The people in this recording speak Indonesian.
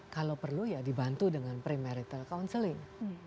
kalau perlu ya dibantu dengan pre marital counseling